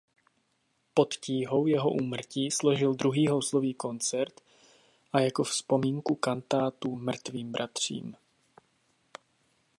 Pod tíhou jeho úmrtí složil „Druhý houslový koncert“ a jako vzpomínku kantátu „Mrtvým bratřím“.